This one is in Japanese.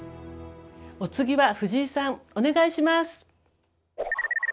お次は藤井さんお願いします。